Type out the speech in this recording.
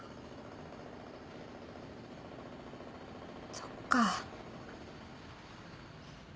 そっか。